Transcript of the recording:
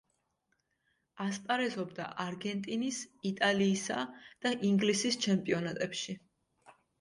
ასპარეზობდა არგენტინის, იტალიისა და ინგლისის ჩემპიონატებში.